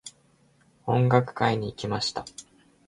音楽会に行きました。